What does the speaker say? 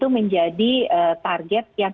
menjadi target yang